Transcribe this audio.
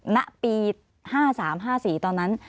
ณปี๕๓๕๔ตอนนั้น